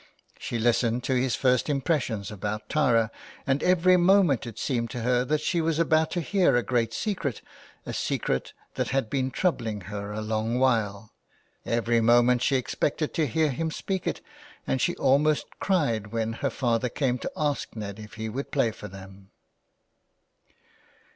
She listened to his first impressions about Tara, and every moment it seemed to her that she was about to hear a great secret, a secret that had been troubling her a long while ; every moment she expected to hear him speak it, and she almost cried when her father came to ask Ned if he would play for them.